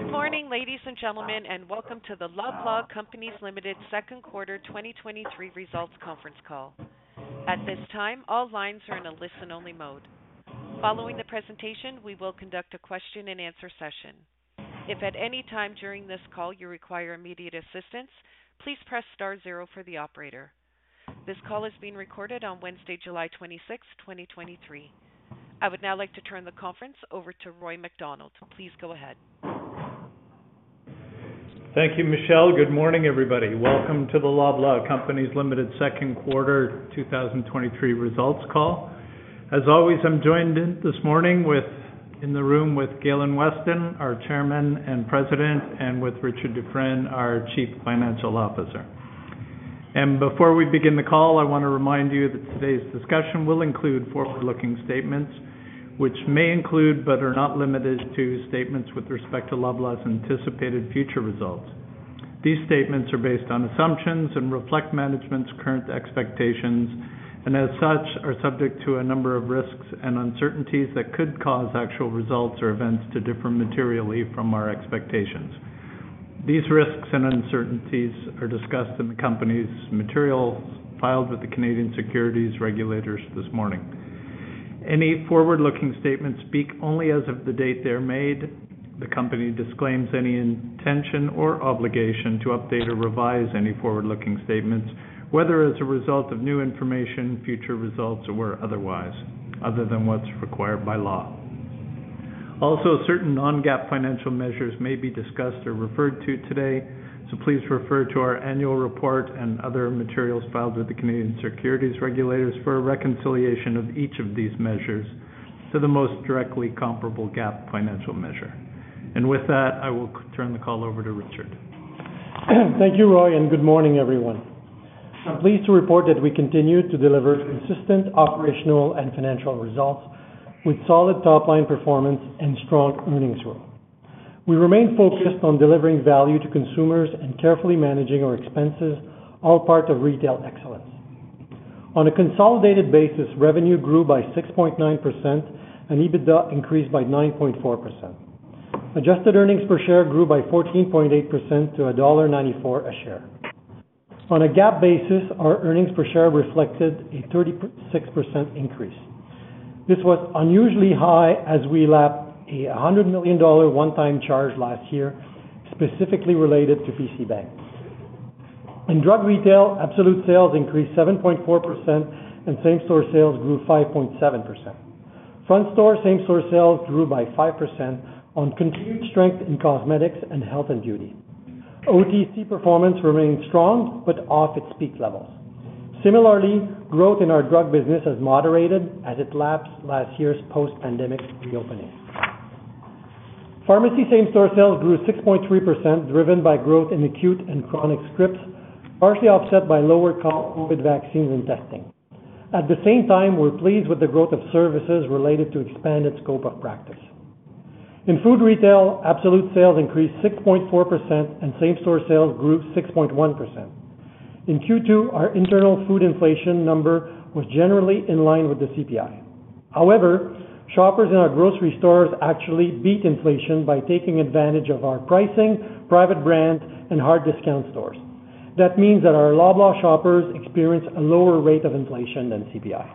Good morning, ladies and gentlemen, welcome to the Loblaw Companies Limited Second Quarter 2023 Results Conference Call. At this time, all lines are in a listen-only mode. Following the presentation, we will conduct a question-and-answer session. If at any time during this call you require immediate assistance, please press star zero for the operator. This call is being recorded on Wednesday, July 26th, 2023. I would now like to turn the conference over to Roy MacDonald. Please go ahead. Thank you, Michelle. Good morning, everybody. Welcome to the Loblaw Companies Limited Second Quarter 2023 results call. As always, I'm joined in this morning in the room with Galen Weston, our Chairman and President; and with Richard Dufresne, our Chief Financial Officer. Before we begin the call, I want to remind you that today's discussion will include forward-looking statements, which may include, but are not limited to, statements with respect to Loblaw's anticipated future results. These statements are based on assumptions and reflect management's current expectations, and as such, are subject to a number of risks and uncertainties that could cause actual results or events to differ materially from our expectations. These risks and uncertainties are discussed in the company's material filed with the Canadian Securities Regulators this morning. Any forward-looking statements speak only as of the date they're made. The company disclaims any intention or obligation to update or revise any forward-looking statements, whether as a result of new information, future results, or otherwise, other than what's required by law. Certain non-GAAP financial measures may be discussed or referred to today, so please refer to our annual report and other materials filed with the Canadian Securities Regulators for a reconciliation of each of these measures to the most directly comparable GAAP financial measure. With that, I will turn the call over to Richard. Thank you, Roy, and good morning, everyone. I'm pleased to report that we continued to deliver consistent operational and financial results with solid top-line performance and strong earnings growth. We remain focused on delivering value to consumers and carefully managing our expenses, all parts of retail excellence. On a consolidated basis, revenue grew by 6.9%, and EBITDA increased by 9.4%. Adjusted earnings per share grew by 14.8% to dollar 1.94 a share. On a GAAP basis, our earnings per share reflected a 36% increase. This was unusually high as we lapped a 100 million dollar one-time charge last year, specifically related to PC Bank. In drug retail, absolute sales increased 7.4% and same-store sales grew 5.7%. Front store same-store sales grew by 5% on continued strength in cosmetics and health and beauty. OTC performance remains strong, off its peak levels. Similarly, growth in our drug business has moderated as it lapsed last year's post-pandemic reopening. Pharmacy same-store sales grew 6.3%, driven by growth in acute and chronic scripts, partially offset by lower COVID vaccines and testing. At the same time, we're pleased with the growth of services related to expanded scope of practice. In food retail, absolute sales increased 6.4%, same-store sales grew 6.1%. In Q2, our internal food inflation number was generally in line with the CPI. Shoppers in our grocery stores actually beat inflation by taking advantage of our pricing, private brands, and hard discount stores. That means that our Loblaw shoppers experience a lower rate of inflation than CPI.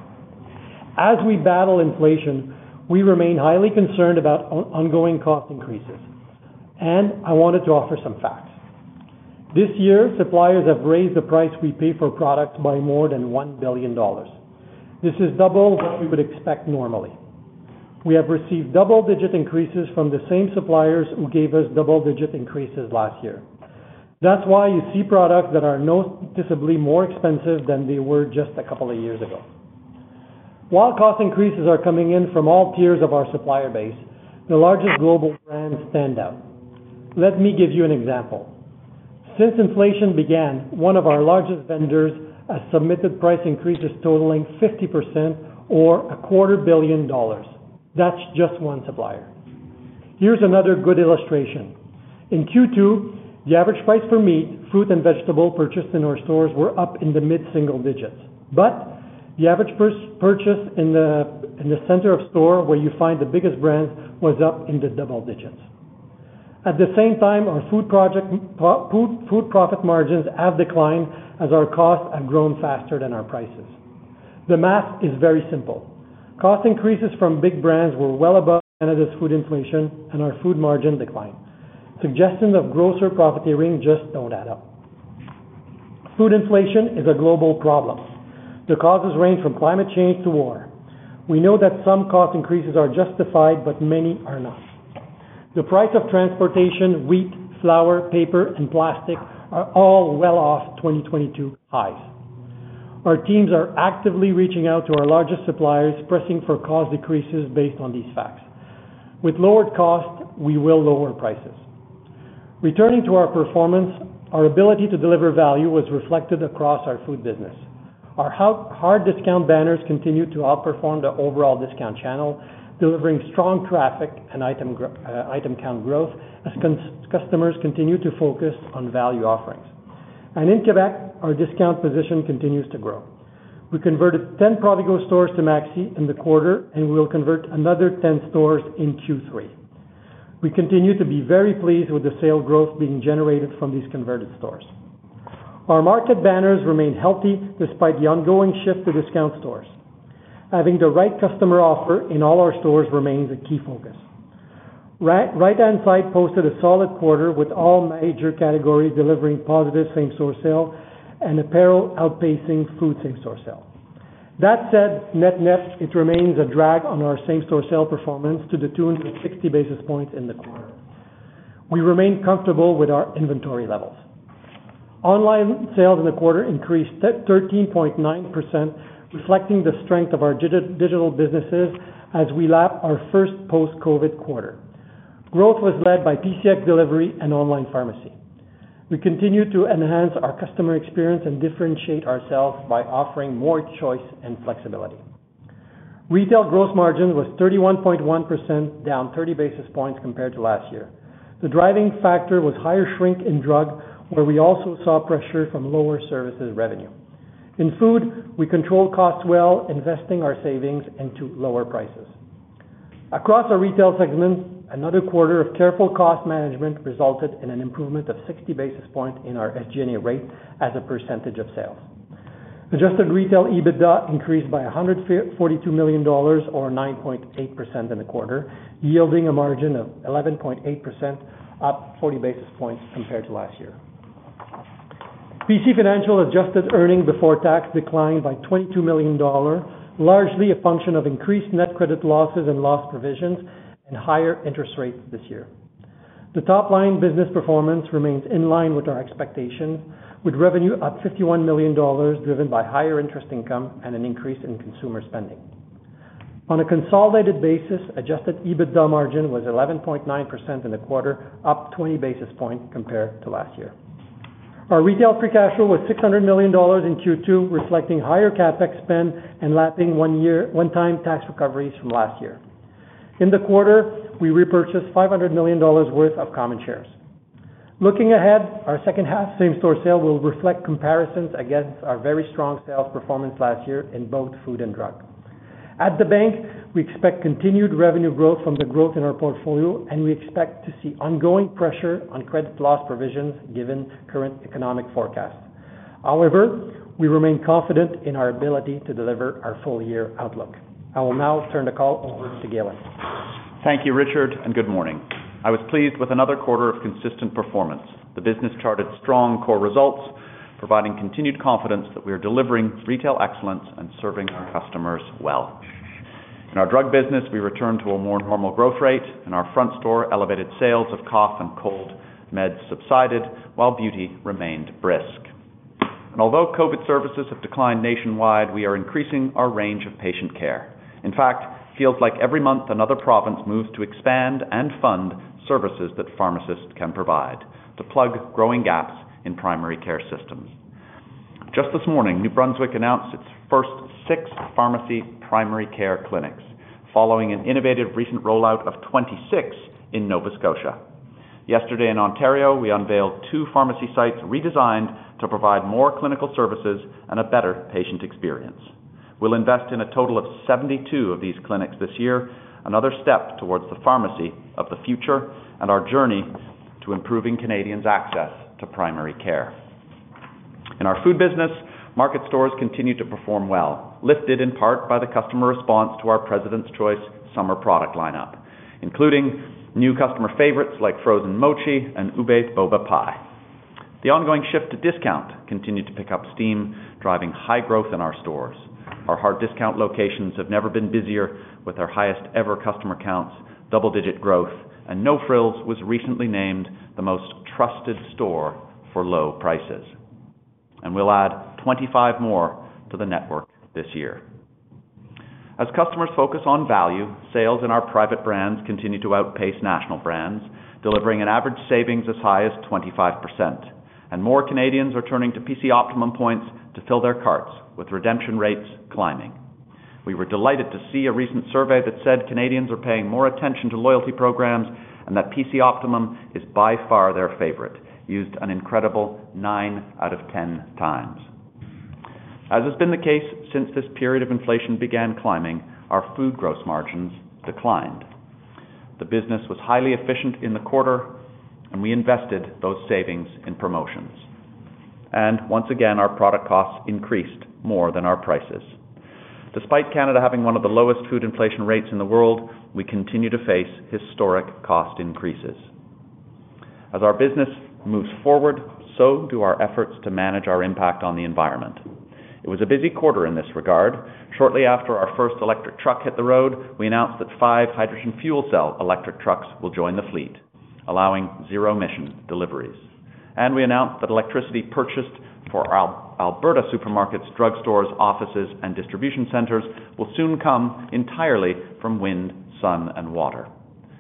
As we battle inflation, we remain highly concerned about ongoing cost increases, and I wanted to offer some facts. This year, suppliers have raised the price we pay for products by more than 1 billion dollars. This is double what we would expect normally. We have received double-digit increases from the same suppliers who gave us double-digit increases last year. That's why you see products that are noticeably more expensive than they were just a couple of years ago. While cost increases are coming in from all tiers of our supplier base, the largest global brands stand out. Let me give you an example. Since inflation began, one of our largest vendors has submitted price increases totaling 50% or a quarter billion dollars. That's just one supplier. Here's another good illustration. In Q2, the average price for meat, fruit, and vegetable purchased in our stores were up in the mid-single digits, but the average purchase in the center of store, where you find the biggest brands, was up in the double digits. At the same time, our food profit margins have declined as our costs have grown faster than our prices. The math is very simple. Cost increases from big brands were well above Canada's food inflation and our food margin decline. Suggestions of grocer profiteering just don't add up. Food inflation is a global problem. The causes range from climate change to war. We know that some cost increases are justified, but many are not. The price of transportation, wheat, flour, paper, and plastic are all well off 2022 highs. Our teams are actively reaching out to our largest suppliers, pressing for cost decreases based on these facts. With lowered costs, we will lower prices. Returning to our performance, our ability to deliver value was reflected across our food business. Our hard discount banners continued to outperform the overall discount channel, delivering strong traffic and item count growth as customers continue to focus on value offerings. In Quebec, our discount position continues to grow. We converted 10 Provigo stores to Maxi in the quarter, and we will convert another 10 stores in Q3. We continue to be very pleased with the sales growth being generated from these converted stores. Our market banners remain healthy despite the ongoing shift to discount stores. Having the right customer offer in all our stores remains a key focus. Right-Hand Side posted a solid quarter, with all major categories delivering positive same-store sales and apparel outpacing food same-store sales. That said, net-net, it remains a drag on our same-store sales performance to the tune of 60 basis points in the quarter. We remain comfortable with our inventory levels. Online sales in the quarter increased 13.9%, reflecting the strength of our digital businesses as we lap our first post-COVID quarter. Growth was led by PCX Delivery and online pharmacy. We continue to enhance our customer experience and differentiate ourselves by offering more choice and flexibility. Retail gross margin was 31.1%, down 30 basis points compared to last year. The driving factor was higher shrink in drug, where we also saw pressure from lower services revenue. In food, we controlled costs well, investing our savings into lower prices. Across our retail segment, another quarter of careful cost management resulted in an improvement of 60 basis points in our SG&A rate as a % of sales. Adjusted retail EBITDA increased by 142 million dollars, or 9.8% in the quarter, yielding a margin of 11.8%, up 40 basis points compared to last year. PC Financial adjusted earnings before tax declined by 22 million dollar, largely a function of increased net credit losses and loss provisions and higher interest rates this year. The top-line business performance remains in line with our expectations, with revenue up 51 million dollars, driven by higher interest income and an increase in consumer spending. On a consolidated basis, Adjusted EBITDA margin was 11.9% in the quarter, up 20 basis points compared to last year. Our retail free cash flow was 600 million dollars in Q2, reflecting higher CapEx spend and lapping one-time tax recoveries from last year. In the quarter, we repurchased 500 million dollars worth of common shares. Looking ahead, our second half same-store sales will reflect comparisons against our very strong sales performance last year in both food and drug. At the bank, we expect continued revenue growth from the growth in our portfolio, we expect to see ongoing pressure on credit loss provisions given current economic forecasts. However, we remain confident in our ability to deliver our full-year outlook. I will now turn the call over to Galen. Thank you, Richard. Good morning. I was pleased with another quarter of consistent performance. The business charted strong core results, providing continued confidence that we are delivering retail excellence and serving our customers well. In our drug business, we returned to a more normal growth rate, and our front-store elevated sales of cough and cold meds subsided, while beauty remained brisk. Although COVID services have declined nationwide, we are increasing our range of patient care. In fact, it feels like every month, another province moves to expand and fund services that pharmacists can provide to plug growing gaps in primary care systems. Just this morning, New Brunswick announced its first six pharmacy primary care clinics, following an innovative recent rollout of 26 in Nova Scotia. Yesterday in Ontario, we unveiled two pharmacy sites redesigned to provide more clinical services and a better patient experience. We'll invest in a total of 72 of these clinics this year, another step towards the pharmacy of the future and our journey to improving Canadians' access to primary care. In our food business, market stores continued to perform well, lifted in part by the customer response to our President's Choice summer product lineup, including new customer favorites like frozen mochi and Ube boba pie. The ongoing shift to discount continued to pick up steam, driving high growth in our stores. Our hard discount locations have never been busier, with our highest-ever customer counts, double-digit growth, and No Frills was recently named the most trusted store for low prices. We'll add 25 more to the network this year. As customers focus on value, sales in our private brands continue to outpace national brands, delivering an average savings as high as 25%. More Canadians are turning to PC Optimum points to fill their carts, with redemption rates climbing. We were delighted to see a recent survey that said Canadians are paying more attention to loyalty programs and that PC Optimum is by far their favorite, used an incredible nine out of 10x. As has been the case since this period of inflation began climbing, our food gross margins declined. The business was highly efficient in the quarter, and we invested those savings in promotions. Once again, our product costs increased more than our prices. Despite Canada having one of the lowest food inflation rates in the world, we continue to face historic cost increases. As our business moves forward, so do our efforts to manage our impact on the environment. It was a busy quarter in this regard. Shortly after our first electric truck hit the road, we announced that five hydrogen fuel cell electric trucks will join the fleet, allowing zero-emission deliveries. We announced that electricity purchased for our Alberta supermarkets, drugstores, offices, and distribution centers will soon come entirely from wind, sun, and water.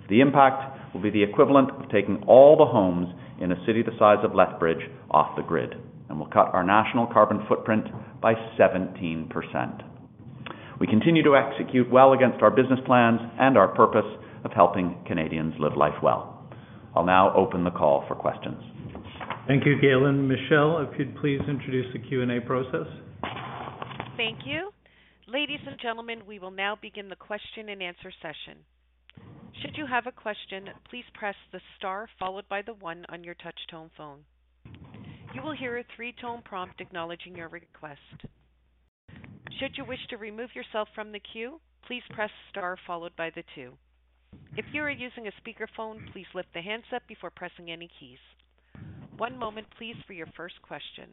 The impact will be the equivalent of taking all the homes in a city the size of Lethbridge off the grid, and will cut our national carbon footprint by 17%. We continue to execute well against our business plans and our purpose of helping Canadians live life well. I'll now open the call for questions. Thank you, Galen. Michelle, if you'd please introduce the Q&A process. Thank you. Ladies and gentlemen, we will now begin the question-and-answer session. Should you have a question, please press the star followed by the one on your touch tone phone. You will hear a three-tone prompt acknowledging your request. Should you wish to remove yourself from the queue, please press star followed by the two. If you are using a speakerphone, please lift the handset before pressing any keys. One moment, please, for your first question.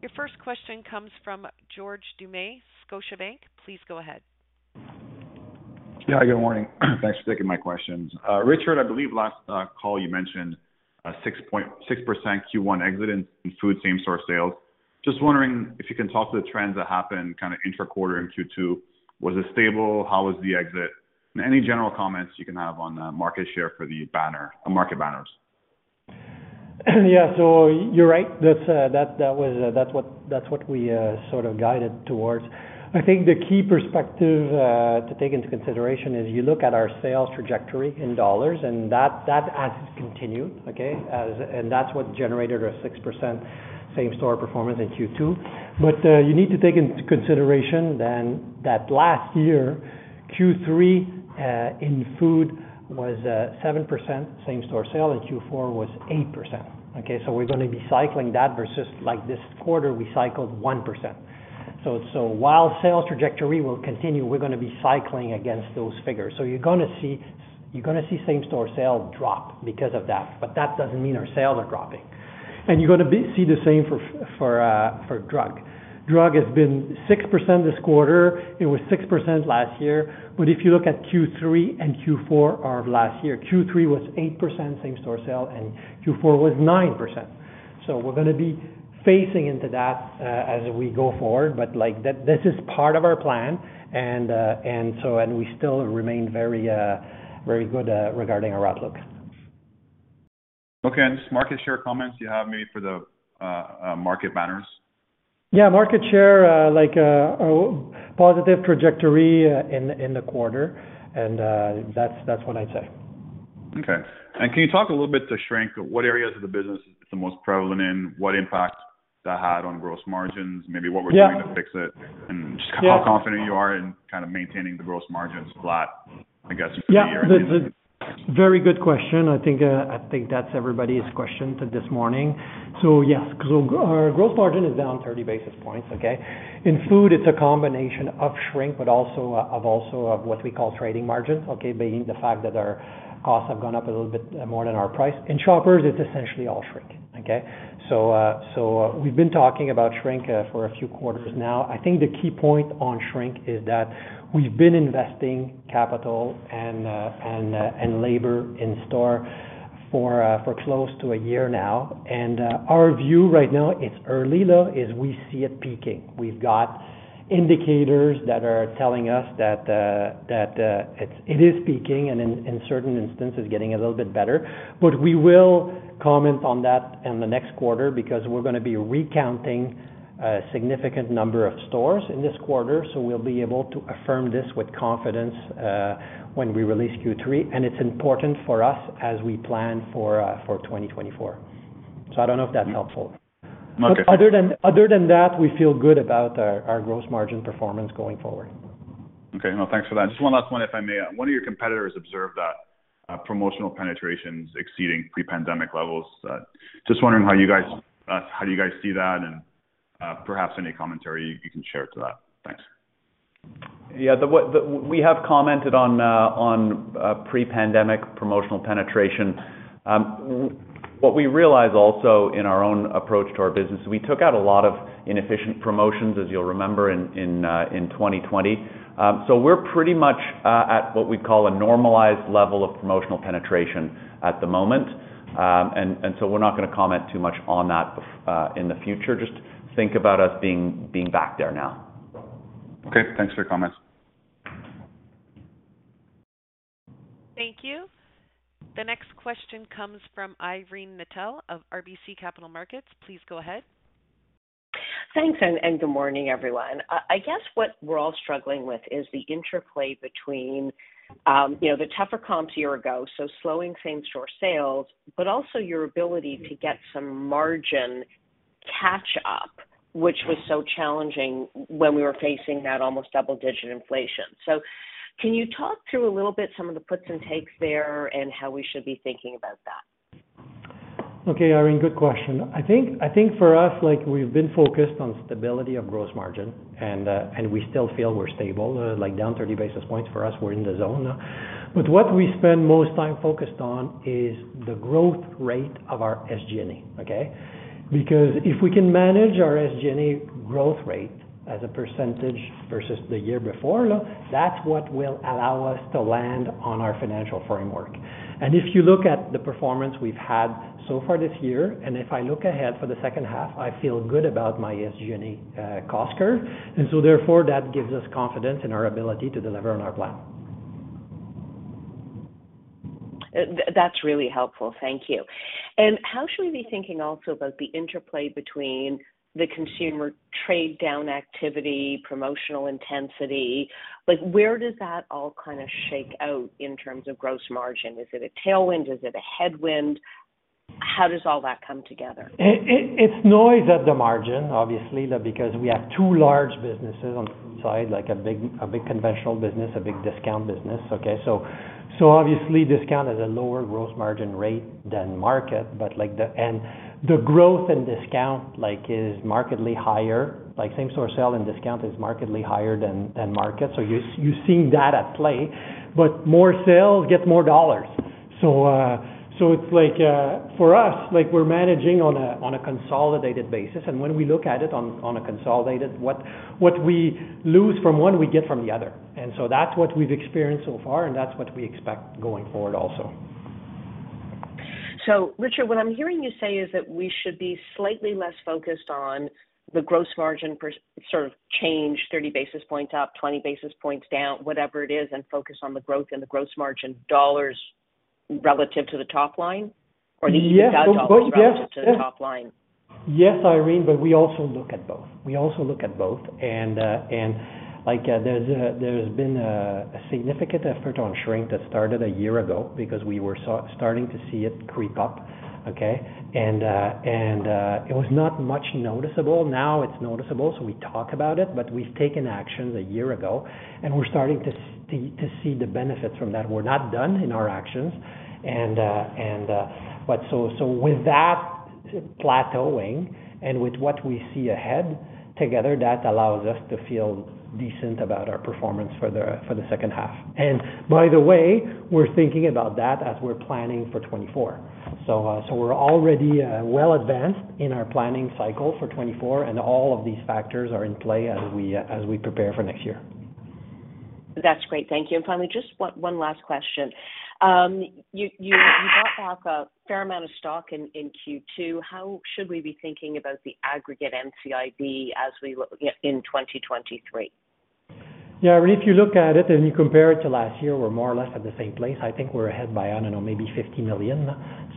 Your first question comes from George Doumet, Scotiabank. Please go ahead. Yeah, good morning. Thanks for taking my questions. Richard, I believe last call you mentioned a 6% Q1 exit in food same store sales. Just wondering if you can talk to the trends that happened kind of intra-quarter in Q2. Was it stable? How was the exit? Any general comments you can have on the market share for the on market banners? Yeah, you're right, that's that was that's what we sort of guided towards. I think the key perspective to take into consideration is, you look at our sales trajectory in dollars, that has continued, okay? That's what generated a 6% same store performance in Q2. You need to take into consideration then, that last year, Q3, in food was 7% same store sale, and Q4 was 8%, okay? We're going to be cycling that versus, like, this quarter, we cycled 1%. While sales trajectory will continue, we're going to be cycling against those figures. You're gonna see same store sales drop because of that, but that doesn't mean our sales are dropping. You're gonna see the same for drug. Drug has been 6% this quarter. It was 6% last year. If you look at Q3 and Q4 of last year, Q3 was 8% same store sale, and Q4 was 9%. We're gonna be phasing into that as we go forward. Like, that, this is part of our plan, and we still remain very, very good regarding our outlook. Okay, just market share comments you have maybe for the market banners? Yeah, market share, like, a positive trajectory in the quarter, and, that's what I'd say. Okay. Can you talk a little bit to shrink? What areas of the business is the most prevalent in, what impact that had on gross margins? Yeah. Doing to fix it. Yeah. Just how confident you are in kind of maintaining the gross margins flat, I guess, for the year? Very good question. I think that's everybody's question this morning. Yes, our growth margin is down 30 basis points, okay. In food, it's a combination of shrink, but also of what we call trading margins, okay, being the fact that our costs have gone up a little bit more than our price. In Shoppers, it's essentially all shrink, okay. We've been talking about shrink for a few quarters now. I think the key point on shrink is that we've been investing capital and labor in store for close to a year now, and our view right now, it's early, though, is we see it peaking. We've got indicators that are telling us that it is peaking and in certain instances, getting a little bit better. We will comment on that in the next quarter because we're gonna be recounting a significant number of stores in this quarter, we'll be able to affirm this with confidence when we release Q3, and it's important for us as we plan for 2024. I don't know if that's helpful. Okay. Other than that, we feel good about our gross margin performance going forward. Okay, well, thanks for that. Just one last one, if I may. One of your competitors observed that promotional penetration's exceeding pre-pandemic levels. Just wondering how do you guys see that? Perhaps any commentary you can share to that. Thanks. Yeah, we have commented on pre-pandemic promotional penetration. What we realize also in our own approach to our business, is we took out a lot of inefficient promotions, as you'll remember, in 2020. We're pretty much at what we'd call a normalized level of promotional penetration at the moment. We're not gonna comment too much on that in the future. Just think about us being back there now. Okay, thanks for your comments. Thank you. The next question comes from Irene Nattel of RBC Capital Markets. Please go ahead. Thanks, and good morning, everyone. I guess what we're all struggling with is the interplay between, you know, the tougher comps year ago, slowing same store sales, but also your ability to get some margin catch up, which was so challenging when we were facing that almost double-digit inflation. Can you talk through a little bit some of the puts and takes there, and how we should be thinking about that? Irene, good question. I think for us, like, we've been focused on stability of gross margin, and we still feel we're stable, like down 30 basis points. For us, we're in the zone. What we spend most time focused on is the growth rate of our SG&A, okay? If we can manage our SG&A growth rate as a percentage versus the year before, that's what will allow us to land on our financial framework. If you look at the performance we've had so far this year, and if I look ahead for the second half, I feel good about my SG&A cost curve, therefore, that gives us confidence in our ability to deliver on our plan. That's really helpful. Thank you. How should we be thinking also about the interplay between the consumer trade down activity, promotional intensity? Like, where does that all kind of shake out in terms of gross margin? Is it a tailwind? Is it a headwind? How does all that come together? It's noise at the margin, obviously, because we have two large businesses on the side, like a big, a big conventional business, a big discount business, okay? Obviously, discount is a lower gross margin rate than market, but the growth in discount is markedly higher. Same-store sale and discount is markedly higher than market. You're seeing that at play, but more sales gets more Canadian dollars. It's for us, we're managing on a consolidated basis, and when we look at it on a consolidated, what we lose from one, we get from the other. That's what we've experienced so far, and that's what we expect going forward also. Richard, what I'm hearing you say is that we should be slightly less focused on the gross margin sort of change, 30 basis points up, 20 basis points down, whatever it is, and focus on the growth and the gross margin dollars relative to the top line, or the EBITDA dollars? Yes. Both. Yes. Relative to the top line. Yes, Irene, we also look at both. We also look at both. Like, there's been a significant effort on shrink that started a year ago because we were starting to see it creep up, okay? It was not much noticeable. Now it's noticeable, so we talk about it, but we've taken actions a year ago, and we're starting to see the benefits from that. We're not done in our actions, but so with that plateauing and with what we see ahead, together, that allows us to feel decent about our performance for the second half. By the way, we're thinking about that as we're planning for 2024. We're already well advanced in our planning cycle for 2024, and all of these factors are in play as we prepare for next year. That's great. Thank you. Finally, just one last question. You bought Loblaw fair amount of stock in Q2. How should we be thinking about the aggregate NCIB as in 2023? Yeah, Irene, if you look at it and you compare it to last year, we're more or less at the same place. I think we're ahead by, I don't know, maybe 50 million.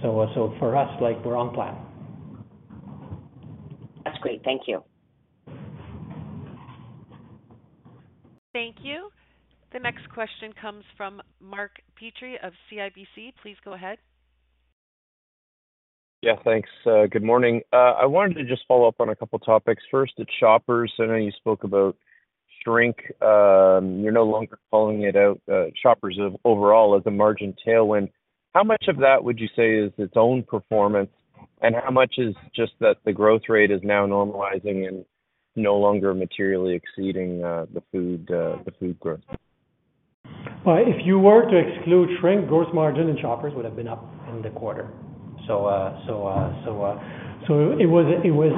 For us, like, we're on plan. That's great. Thank you. Thank you. The next question comes from Mark Petrie of CIBC. Please go ahead. Yeah, thanks. Good morning. I wanted to just follow up on a couple topics. First, at Shoppers, I know you spoke about shrink. You're no longer calling it out, Shoppers overall, as a margin tailwind. How much of that would you say is its own performance, and how much is just that the growth rate is now normalizing and no longer materially exceeding the food growth? If you were to exclude shrink, gross margin in Shoppers would have been up in the quarter. It was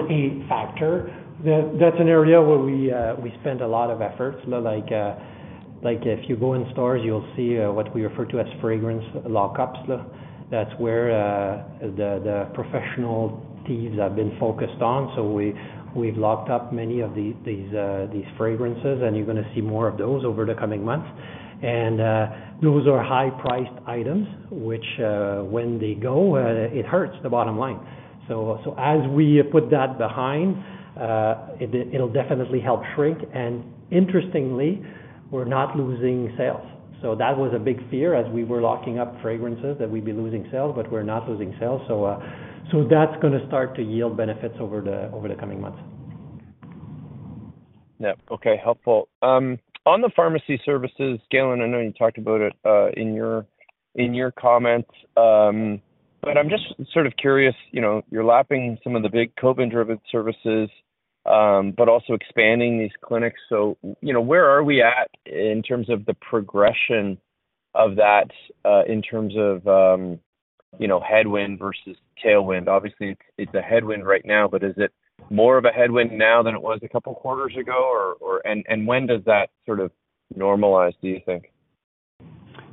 a factor. That's an area where we spent a lot of efforts. Like, like, if you go in stores, you'll see what we refer to as fragrance lockups. That's where the professional thieves have been focused on. We've locked up many of these fragrances, and you're gonna see more of those over the coming months. Those are high-priced items, which, when they go, it hurts the bottom line. As we put that behind, it'll definitely help shrink. Interestingly, we're not losing sales. That was a big fear as we were locking up fragrances, that we'd be losing sales, but we're not losing sales. That's gonna start to yield benefits over the coming months. Yeah. Okay, helpful. On the pharmacy services, Galen, I know you talked about it in your comments, but I'm just sort of curious, you know, you're lapping some of the big COVID-driven services, but also expanding these clinics. You know, where are we at in terms of the progression of that in terms of headwind versus tailwind? Obviously, it's a headwind right now, but is it more of a headwind now than it was a couple of quarters ago, or when does that sort of normalize, do you think?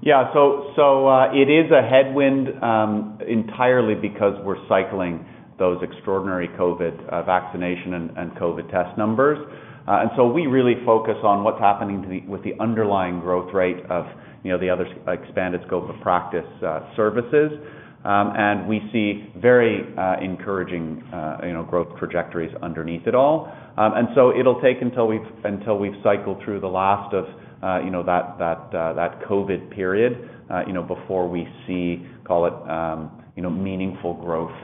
It is a headwind entirely because we're cycling those extraordinary COVID vaccination and COVID test numbers. We really focus on what's happening with the underlying growth rate of, you know, the other expanded scope of practice services. We see very encouraging, you know, growth trajectories underneath it all. It'll take until we've cycled through the last of, you know, that COVID period, you know, before we see, call it, you know, meaningful growth,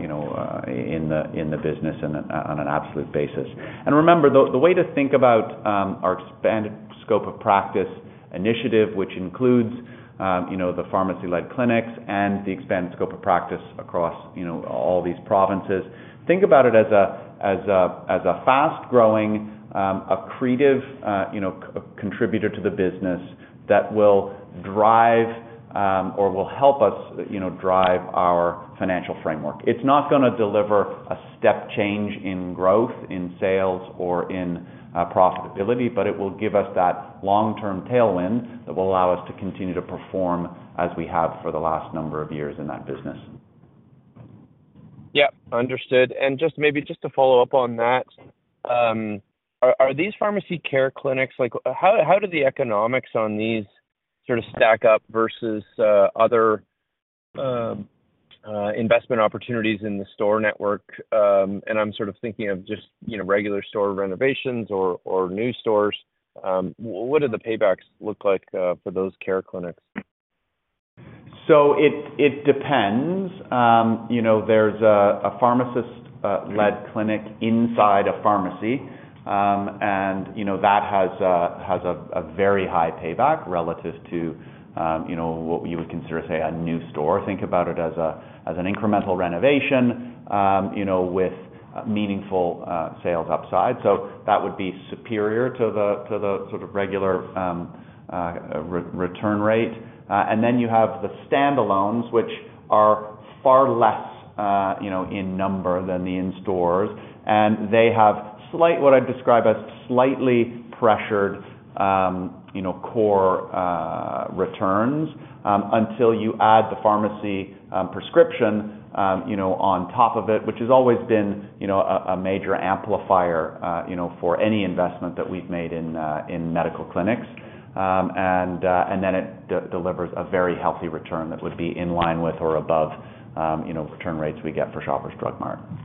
you know, in the business and on an absolute basis. Remember, the way to think about our expanded scope of practice initiative, which includes, you know, the pharmacy-led clinics and the expanded scope of practice across, you know, all these provinces. Think about it as a fast-growing, accretive, you know, contributor to the business that will drive, or will help us, you know, drive our financial framework. It's not gonna deliver a step change in growth, in sales, or in profitability, but it will give us that long-term tailwind that will allow us to continue to perform as we have for the last number of years in that business. Yep, understood. Just maybe just to follow up on that, are these pharmacy care clinics, like how do the economics on these sort of stack up versus other investment opportunities in the store network? I'm sort of thinking of just, you know, regular store renovations or new stores. What do the paybacks look like for those care clinics? It depends. You know, there's a pharmacist-led clinic inside a pharmacy, and, you know, that has a very high payback relative to, you know, what you would consider, say, a new store. Think about it as an incremental renovation, you know, with meaningful sales upside. That would be superior to the sort of regular return rate. Then you have the standalones, which are far less, you know, in number than the in-stores, and they have slight, what I'd describe as slightly pressured, you know, core, returns, until you add the pharmacy, prescription, you know, on top of it, which has always been, you know, a major amplifier, you know, for any investment that we've made in medical clinics. Then it delivers a very healthy return that would be in line with or above, you know, return rates we get for Shoppers Drug Mart. Yeah,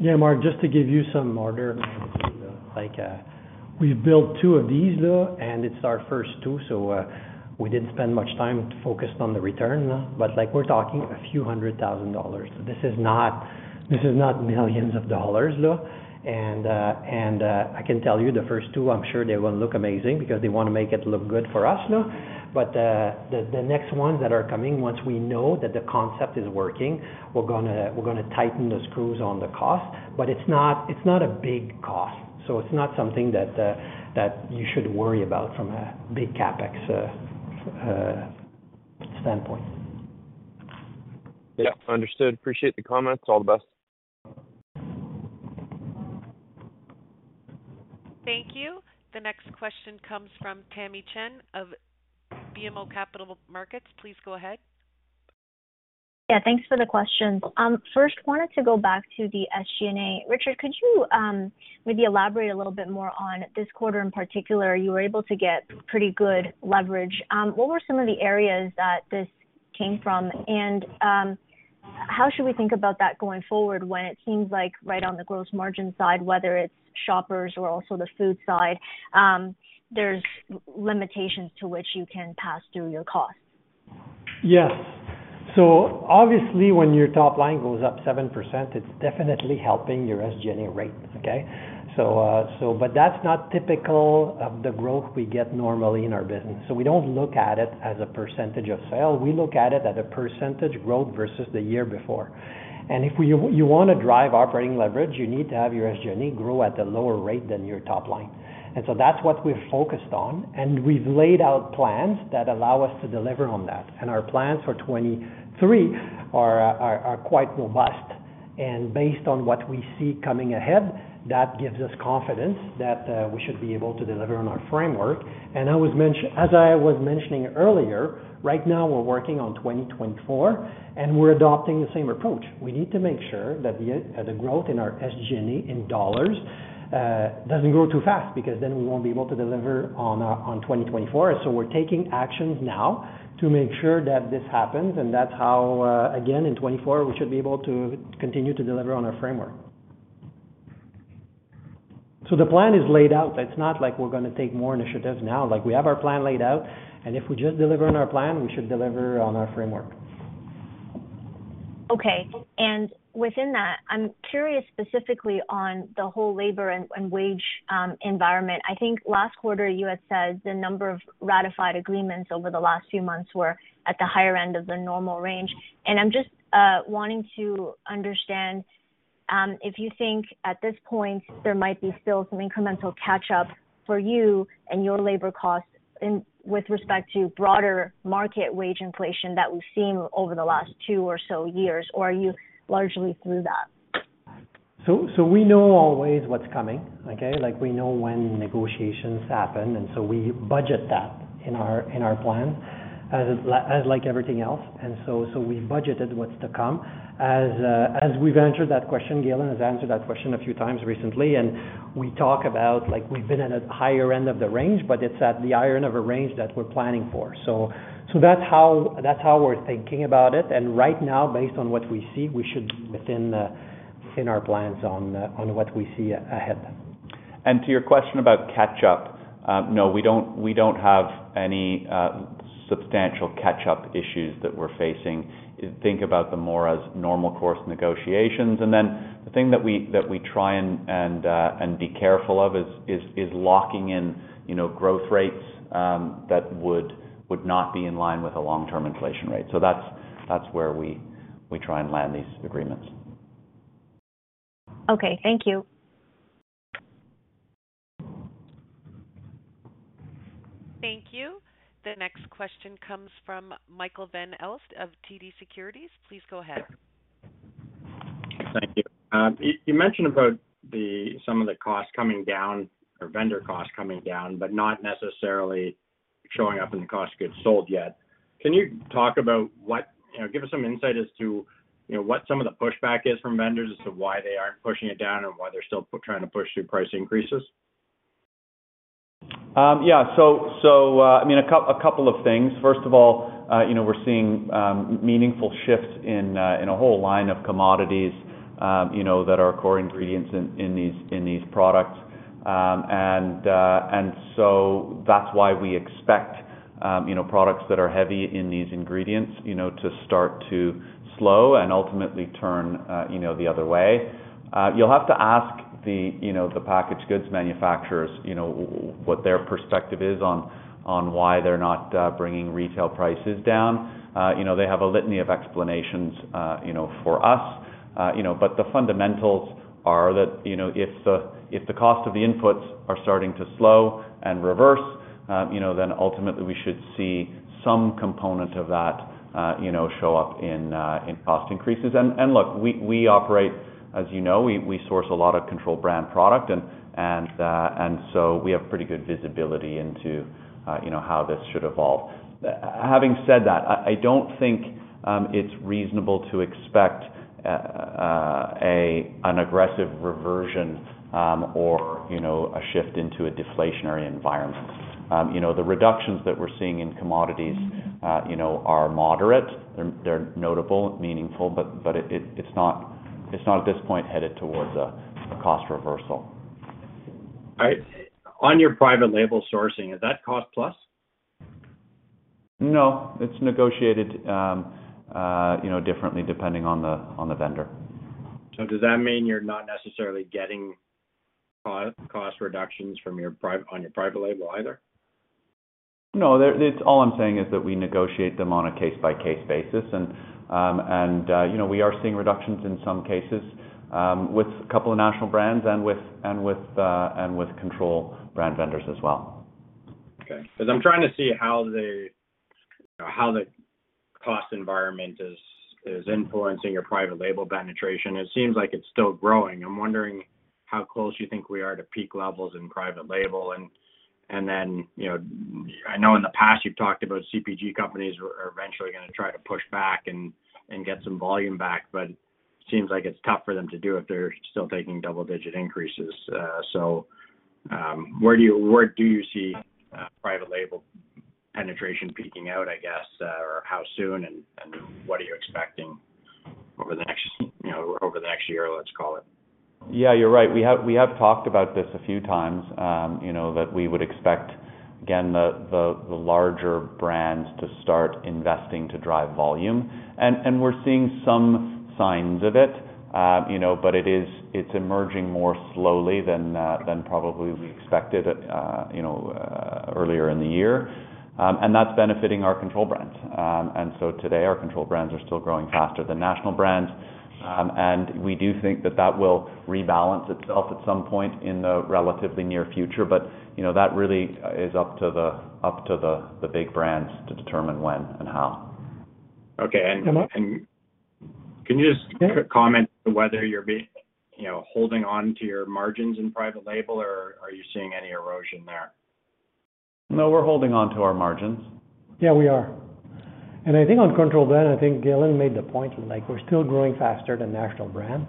Mark, just to give you some order, like, we've built two of these, though, and it's our first two, so, we didn't spend much time focused on the return, though. Like we're talking a few hundred thousand. This is not, this is not millions, though. I can tell you the first two, I'm sure they won't look amazing because they want to make it look good for us, though. The, the next ones that are coming, once we know that the concept is working, we're gonna tighten the screws on the cost. It's not, it's not a big cost, so it's not something that you should worry about from a big CapEx, standpoint. Yeah, understood. Appreciate the comments. All the best. Thank you. The next question comes from Tamy Chen of BMO Capital Markets. Please go ahead. Yeah, thanks for the question. First, wanted to go back to the SG&A. Richard, could you maybe elaborate a little bit more on this quarter in particular, you were able to get pretty good leverage. What were some of the areas that this came from? How should we think about that going forward when it seems like right on the gross margin side, whether it's Shoppers or also the food side, there's limitations to which you can pass through your costs? Yes. Obviously, when your top line goes up 7%, it's definitely helping your SG&A rate, okay? That's not typical of the growth we get normally in our business. We don't look at it as a % of sale, we look at it as a % growth versus the year before. If you want to drive operating leverage, you need to have your SG&A grow at a lower rate than your top line. That's what we're focused on, and we've laid out plans that allow us to deliver on that. Our plans for 23 are quite robust. Based on what we see coming ahead, that gives us confidence that we should be able to deliver on our framework. As I was mentioning earlier, right now, we're working on 2024, and we're adopting the same approach. We need to make sure that the growth in our SG&A in dollars doesn't grow too fast because then we won't be able to deliver on 2024. We're taking actions now to make sure that this happens, and that's how again, in 2024, we should be able to continue to deliver on our framework. The plan is laid out. It's not like we're gonna take more initiatives now. Like, we have our plan laid out, and if we just deliver on our plan, we should deliver on our framework. Okay. Within that, I'm curious specifically on the whole labor and wage environment. I think last quarter, you had said the number of ratified agreements over the last few months were at the higher end of the normal range. I'm just wanting to understand if you think at this point there might be still some incremental catch-up for you and your labor costs in, with respect to broader market wage inflation that we've seen over the last two or so years, or are you largely through that? We know always what's coming, okay? Like, we know when negotiations happen, and so we budget that in our plan, as like everything else, and so we've budgeted what's to come. As we've answered that question, Galen has answered that question a few times recently, and we talk about like, we've been at a higher end of the range, but it's at the higher end of a range that we're planning for. That's how we're thinking about it. Right now, based on what we see, we should be within our plans on what we see ahead. To your question about catch-up, no, we don't have any substantial catch-up issues that we're facing. Think about them more as normal course negotiations. The thing that we try and be careful of is locking in, you know, growth rates that would not be in line with a long-term inflation rate. That's where we try and land these agreements. Okay, thank you. Thank you. The next question comes from Michael Van Aelst of TD Securities. Please go ahead. Thank you. You mentioned about the, some of the costs coming down or vendor costs coming down, but not necessarily showing up in the cost goods sold yet. Can you talk about what, you know, give us some insight as to, you know, what some of the pushback is from vendors as to why they aren't pushing it down or why they're still trying to push through price increases? Yeah. I mean, a couple of things. First of all, you know, we're seeing meaningful shifts in a whole line of commodities, you know, that are core ingredients in these products. That's why we expect products that are heavy in these ingredients, you know, to start to slow and ultimately turn, you know, the other way. You'll have to ask the, you know, the packaged goods manufacturers, you know, what their perspective is on why they're not bringing retail prices down. You know, they have a litany of explanations, you know, for us. The fundamentals are that, you know, if the cost of the inputs are starting to slow and reverse, ultimately we should see some component of that, you know, show up in cost increases. Look, we operate, as you know, we source a lot of control brand product, and so we have pretty good visibility into, you know, how this should evolve. Having said that, I don't think it's reasonable to expect an aggressive reversion or, you know, a shift into a deflationary environment. The reductions that we're seeing in commodities, you know, are moderate. They're notable, meaningful, but it's not at this point, headed towards a cost reversal. All right. On your private label sourcing, is that cost plus? It's negotiated, you know, differently depending on the vendor. Does that mean you're not necessarily getting cost reductions on your private label either? All I'm saying is that we negotiate them on a case-by-case basis, and, you know, we are seeing reductions in some cases, with a couple of national brands and with control brand vendors as well. Because I'm trying to see how the cost environment is influencing your private label penetration. It seems like it's still growing. I'm wondering how close you think we are to peak levels in private label, and then, you know, I know in the past you've talked about CPG companies are eventually gonna try to push back and get some volume back, but it seems like it's tough for them to do if they're still taking double-digit increases. Where do you see private label penetration peaking out, I guess, or how soon, and what are you expecting over the next, you know, over the next year, let's call it? Yeah, you're right. We have talked about this a few times, you know, that we would expect, again, the larger brands to start investing to drive volume. We're seeing some signs of it, you know, but it's emerging more slowly than probably we expected, you know, earlier in the year. That's benefiting our control brands. Today, our control brands are still growing faster than national brands. We do think that that will rebalance itself at some point in the relatively near future. You know, that really is up to the big brands to determine when and how. Okay. Can you just comment whether you're being, you know, holding on to your margins in private label, or are you seeing any erosion there? No, we're holding on to our margins. Yeah, we are. I think on control brand, I think Galen made the point, like, we're still growing faster than national brand.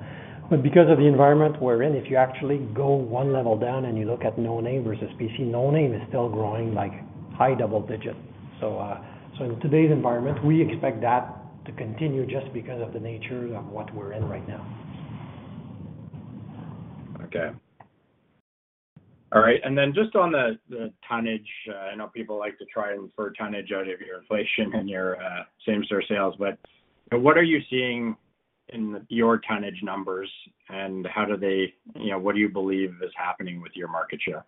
Because of the environment we're in, if you actually go one level down and you look at no name versus PC, no name is still growing, like, high double digits. In today's environment, we expect that to continue just because of the nature of what we're in right now. Okay. All right, just on the tonnage, I know people like to try and infer tonnage out of your inflation and your same store sales. What are you seeing in your tonnage numbers? You know, what do you believe is happening with your market share?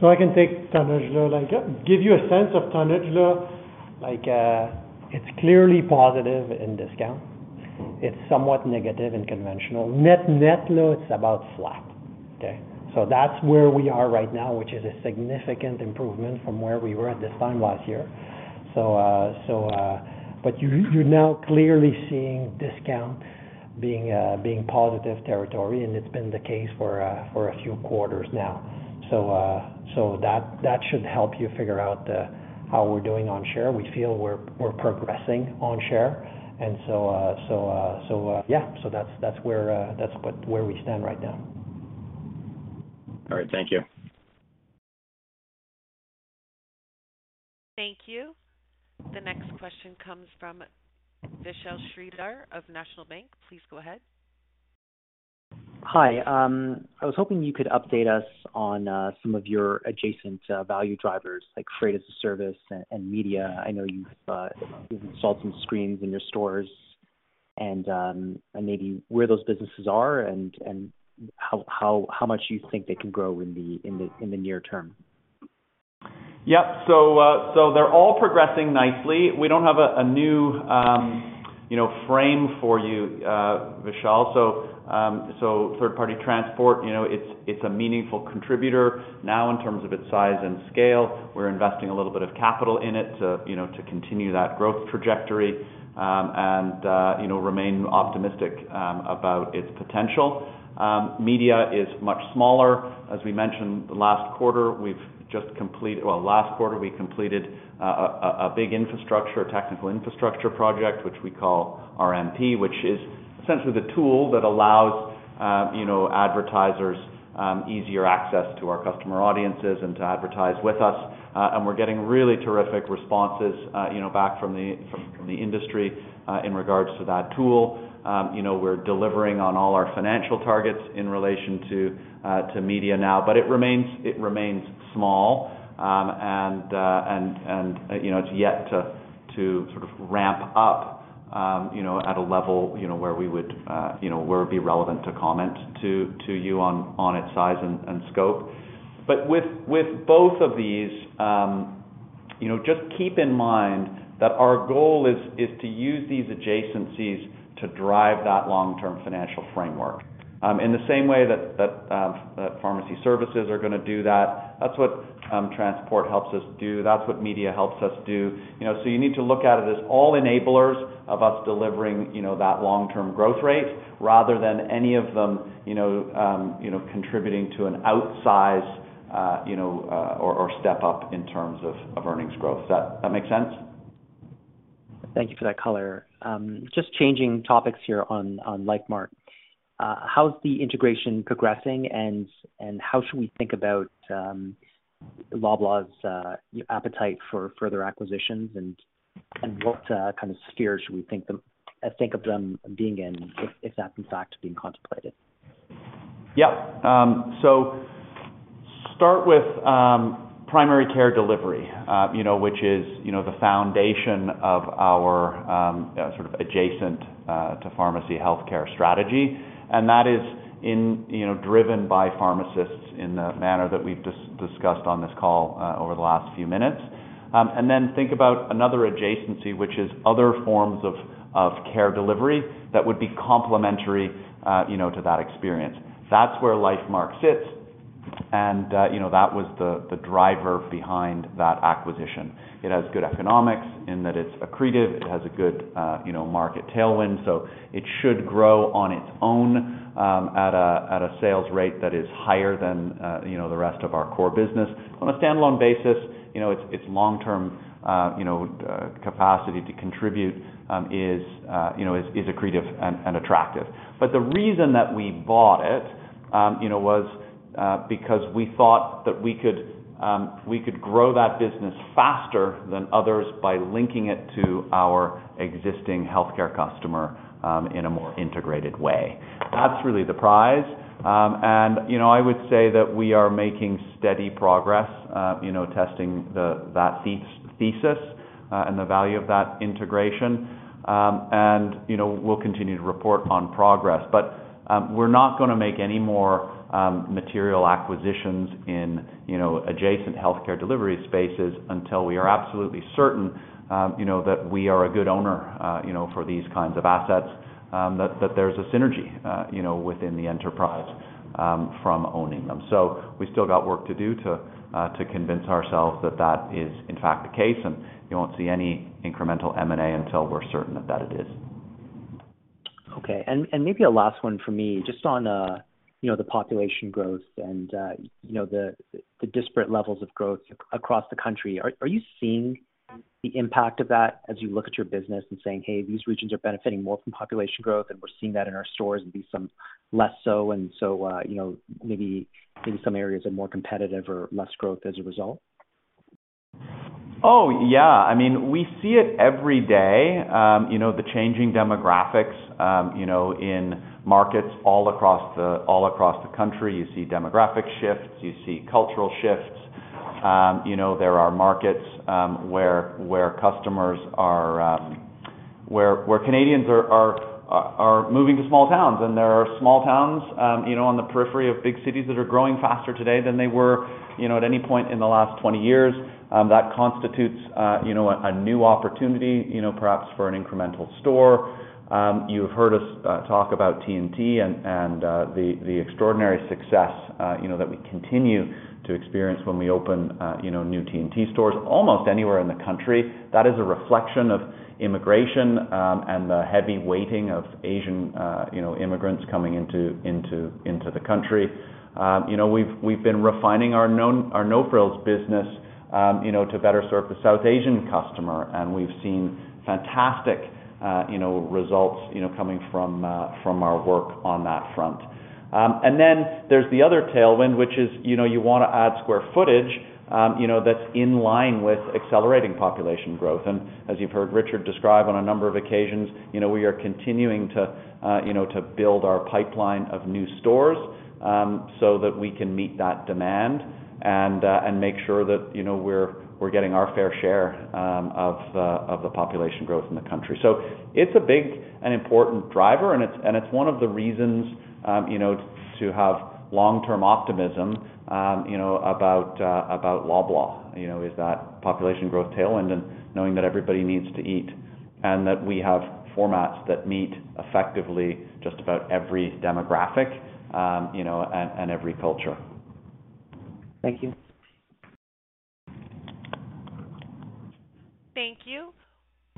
I can take tonnage, though. Like, give you a sense of tonnage, though. It's clearly positive in discount. It's somewhat negative in conventional. Net, net, though, it's about flat. Okay? That's where we are right now, which is a significant improvement from where we were at this time last year. You're now clearly seeing discount being positive territory, and it's been the case for a few quarters now. That should help you figure out how we're doing on share. We feel we're progressing on share, that's where we stand right now. All right. Thank you. Thank you. The next question comes from Vishal Shreedhar of National Bank. Please go ahead. Hi, I was hoping you could update us on some of your adjacent value drivers, like Freight as a Service and media. I know you've installed some screens in your stores, and maybe where those businesses are and how much you think they can grow in the near term? Yep. They're all progressing nicely. We don't have a new, you know, frame for you, Vishal. Third-party transport, you know, it's a meaningful contributor now in terms of its size and scale. We're investing a little bit of capital in it to, you know, to continue that growth trajectory, and, you know, remain optimistic about its potential. Media is much smaller. As we mentioned last quarter, we completed a big infrastructure, a technical infrastructure project, which we call RMP, which is essentially the tool that allows, you know, advertisers, easier access to our customer audiences and to advertise with us. We're getting really terrific responses, you know, back from the industry, in regards to that tool. You know, we're delivering on all our financial targets in relation to media now, but it remains small. You know, it's yet to sort of ramp up, you know, at a level, you know, where we would, you know, where it'd be relevant to comment to you on its size and scope. With both of these, you know, just keep in mind that our goal is to use these adjacencies to drive that long-term financial framework. In the same way that pharmacy services are gonna do that's what transport helps us do, that's what media helps us do. You know, you need to look at it as all enablers of us delivering, you know, that long-term growth rate rather than any of them, you know, contributing to an outsize, you know, or step up in terms of earnings growth. Does that make sense? Thank you for that color. Just changing topics here on Lifemark. How's the integration progressing, and how should we think about Loblaw's appetite for further acquisitions? What kind of sphere should we think of them being in, if that in fact, is being contemplated? Yeah. Start with primary care delivery, you know, which is, you know, the foundation of our sort of adjacent to pharmacy healthcare strategy. That is, you know, driven by pharmacists in the manner that we've discussed on this call over the last few minutes. Then think about another adjacency, which is other forms of care delivery that would be complementary, you know, to that experience. That's where Lifemark sits, and, you know, that was the driver behind that acquisition. It has good economics in that it's accretive, it has a good, you know, market tailwind, so it should grow on its own at a sales rate that is higher than, you know, the rest of our core business. On a standalone basis, you know, its long-term, you know, capacity to contribute, is, you know, accretive and attractive. The reason that we bought it, you know, was because we thought that we could grow that business faster than others by linking it to our existing healthcare customer, in a more integrated way. That's really the prize. You know, I would say that we are making steady progress, you know, testing that thesis, and the value of that integration. You know, we'll continue to report on progress. We're not gonna make any more material acquisitions in, you know, adjacent healthcare delivery spaces until we are absolutely certain, you know, that we are a good owner, you know, for these kinds of assets, that there's a synergy, you know, within the enterprise, from owning them. We still got work to do to convince ourselves that that is, in fact, the case, and you won't see any incremental M&A until we're certain that it is. Okay. Maybe a last one for me, just on, you know, the population growth and, you know, the disparate levels of growth across the country. Are you seeing the impact of that as you look at your business and saying, "Hey, these regions are benefiting more from population growth, and we're seeing that in our stores, and these some less so," and so, you know, maybe some areas are more competitive or less growth as a result? Oh, yeah. I mean, we see it every day, you know, the changing demographics, you know, in markets all across the country. You see demographic shifts, you see cultural shifts. You know, there are markets where Canadians are moving to small towns, there are small towns, you know, on the periphery of big cities that are growing faster today than they were, you know, at any point in the last 20 years. That constitutes, you know, a new opportunity, you know, perhaps for an incremental store. You've heard us talk about T&T and the extraordinary success, you know, that we continue to experience when we open, you know, new T&T stores almost anywhere in the country. That is a reflection of immigration, and the heavy weighting of Asian, you know, immigrants coming into the country. You know, we've been refining our No Frills business, you know, to better serve the South Asian customer, and we've seen fantastic, you know, results, you know, coming from our work on that front. There's the other tailwind, which is, you know, you wanna add square footage, you know, that's in line with accelerating population growth. As you've heard Richard describe on a number of occasions, you know, we are continuing to, you know, to build our pipeline of new stores, so that we can meet that demand and make sure that, you know, we're getting our fair share of the population growth in the country. It's a big and important driver, and it's one of the reasons, you know, to have long-term optimism, you know, about Loblaw. You know, is that population growth tailwind and knowing that everybody needs to eat. That we have formats that meet effectively just about every demographic, you know, and every culture. Thank you. Thank you.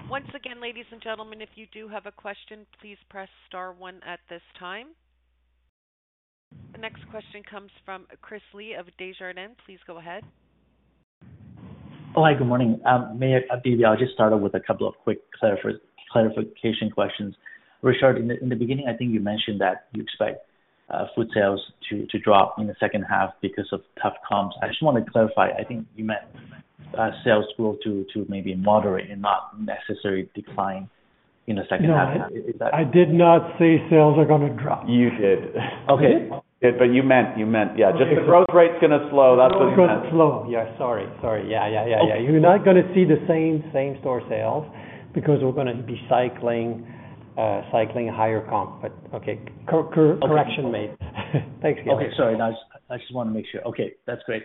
Once again, ladies and gentlemen, if you do have a question, please press star one at this time. The next question comes from Chris Li of Desjardins. Please go ahead. Hi, good morning. May I, maybe I'll just start out with a couple of quick clarification questions. Richard, in the beginning, I think you mentioned that you expect food sales to drop in the second half because of tough comps. I just want to clarify. I think you meant sales growth to maybe moderate and not necessarily decline in the second half. No, I did not say sales are gonna drop. You did. Okay. You meant, yeah, just the growth rate's going to slow. That's what you meant. Going to slow. Yeah, sorry. Yeah. Okay. You're not gonna see the same-store sales because we're gonna be cycling higher comp. Okay, correction made. Thanks, Galen. Okay, sorry. I just want to make sure. Okay, that's great.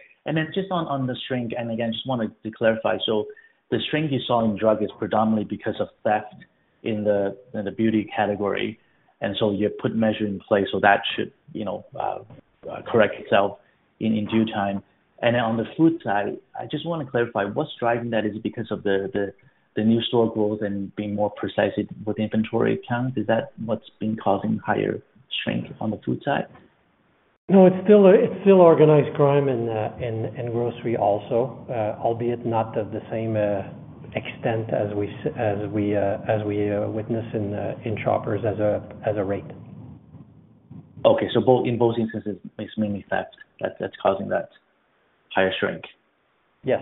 Just on the shrink, again, just wanted to clarify. The shrink you saw in drug is predominantly because of theft in the beauty category, you put measure in place, that should, you know, correct itself in due time. On the food side, I just want to clarify, what's driving that is because of the new store growth and being more precise with inventory count, is that what's been causing higher shrink on the food side? No, it's still, it's still organized crime in grocery also, albeit not to the same extent as we witness in Shoppers as a rate. In both instances, it's mainly theft that's causing that higher shrink? Yes.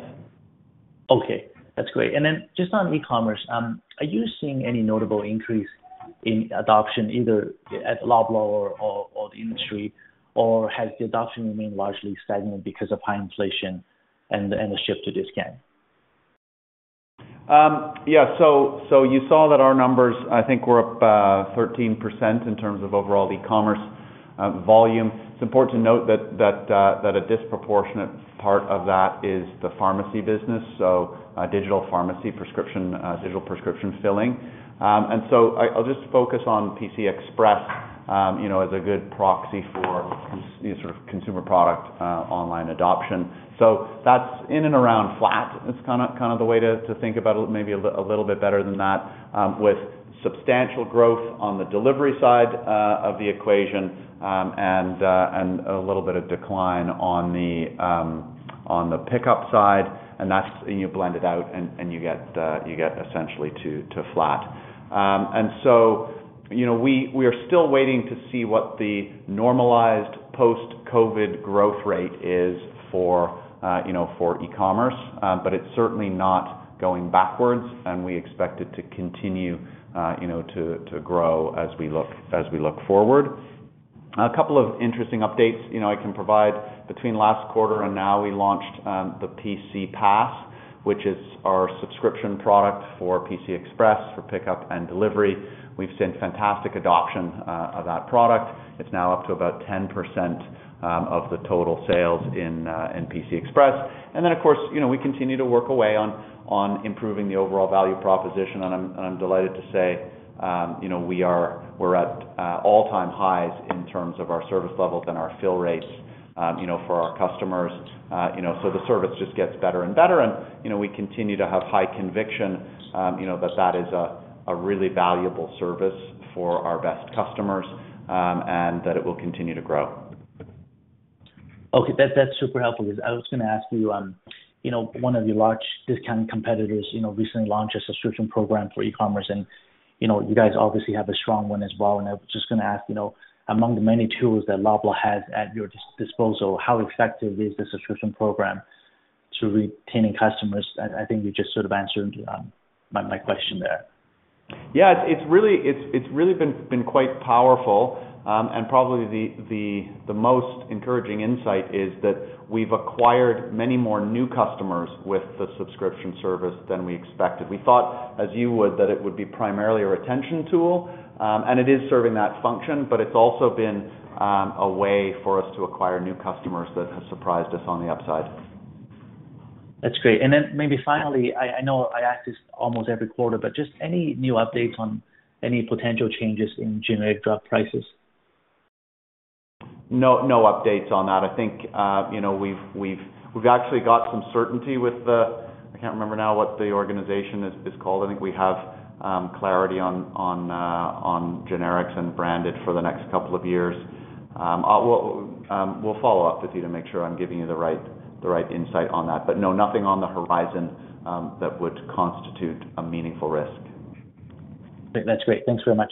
Okay, that's great. Just on e-commerce, are you seeing any notable increase in adoption, either at Loblaw or the industry, or has the adoption remained largely stagnant because of high inflation and the shift to discount? Yeah, so you saw that our numbers, I think, were up 13% in terms of overall e-commerce volume. It's important to note that a disproportionate part of that is the pharmacy business, digital pharmacy prescription, digital prescription filling. I'll just focus on PC Express, you know, as a good proxy for sort of consumer product online adoption. That's in and around flat. It's kinda the way to think about it, maybe a little bit better than that, with substantial growth on the delivery side of the equation, and a little bit of decline on the pickup side, and that's. You blend it out and you get essentially to flat. You know, we are still waiting to see what the normalized post-COVID growth rate is for, you know, for e-commerce, but it's certainly not going backwards, and we expect it to continue, you know, to grow as we look forward. A couple of interesting updates, you know, I can provide. Between last quarter and now, we launched the PC Pass, which is our subscription product for PC Express, for pickup and delivery. We've seen fantastic adoption of that product. It's now up to about 10% of the total sales in PC Express. Of course, you know, we continue to work away on improving the overall value proposition, and I'm delighted to say, you know, we're at all-time highs in terms of our service levels and our fill rates, you know, for our customers. You know, the service just gets better and better, you know, we continue to have high conviction, you know, that is a really valuable service for our best customers, and that it will continue to grow. Okay, that's super helpful because I was gonna ask you know, one of your large discount competitors, you know, recently launched a subscription program for e-commerce, and, you know, you guys obviously have a strong one as well. I was just gonna ask, you know, among the many tools that Loblaw has at your disposal, how effective is the subscription program to retaining customers? I think you just sort of answered my question there. Yeah, it's really, it's really been quite powerful. Probably the most encouraging insight is that we've acquired many more new customers with the subscription service than we expected. We thought, as you would, that it would be primarily a retention tool, and it is serving that function, but it's also been a way for us to acquire new customers that has surprised us on the upside. That's great. Maybe finally, I know I ask this almost every quarter, just any new updates on any potential changes in generic drug prices? No, no updates on that. I think, you know, we've actually got some certainty with the... I can't remember now what the organization is called. I think we have clarity on generics and branded for the next two years. We'll follow up with you to make sure I'm giving you the right insight on that. No, nothing on the horizon that would constitute a meaningful risk. That's great. Thanks very much.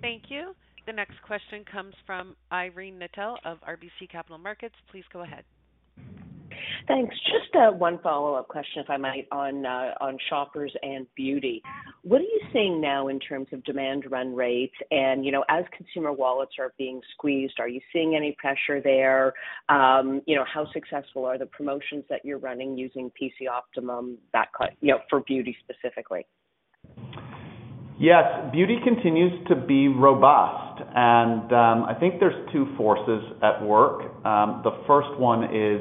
Thank you. The next question comes from Irene Nattel of RBC Capital Markets. Please go ahead. Thanks. Just one follow-up question, if I might, on on Shoppers and beauty. What are you seeing now in terms of demand run rates? you know, as consumer wallets are being squeezed, are you seeing any pressure there? you know, how successful are the promotions that you're running using PC Optimum, that, you know, for beauty specifically? Yes, beauty continues to be robust, and I think there's two forces at work. The first one is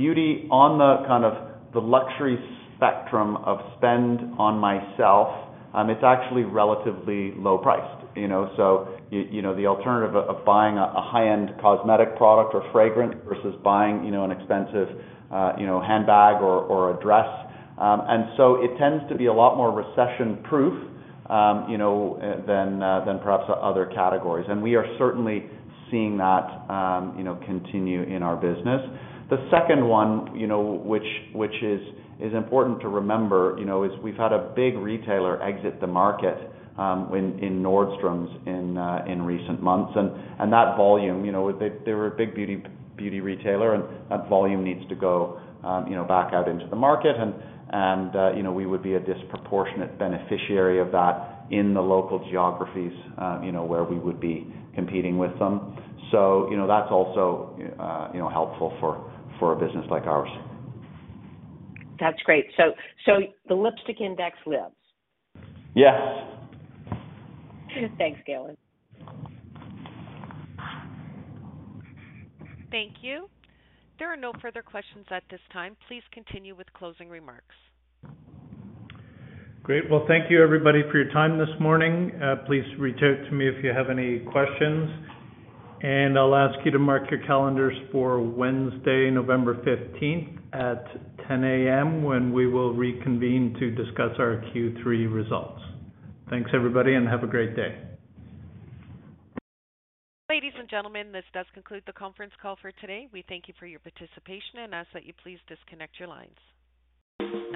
beauty on the kind of the luxury spectrum of spend on myself, it's actually relatively low priced, you know. You know, the alternative of buying a high-end cosmetic product or fragrance versus buying, you know, an expensive, you know, handbag or a dress. It tends to be a lot more recession-proof, you know, than perhaps other categories. We are certainly seeing that, you know, continue in our business. The second one, you know, which is important to remember, you know, is we've had a big retailer exit the market in Nordstrom in recent months, and that volume, you know, they were a big beauty retailer, and that volume needs to go, you know, back out into the market. you know, we would be a disproportionate beneficiary of that in the local geographies, you know, where we would be competing with them. you know, that's also, you know, helpful for a business like ours. That's great. The lipstick index lives? Yes. Thanks, Galen. Thank you. There are no further questions at this time. Please continue with closing remarks. Great. Well, thank you, everybody, for your time this morning. Please reach out to me if you have any questions, I'll ask you to mark your calendars for Wednesday, November 15th at 10:00 A.M., when we will reconvene to discuss our Q3 results. Thanks, everybody, have a great day. Ladies and gentlemen, this does conclude the conference call for today. We thank you for your participation and ask that you please disconnect your lines.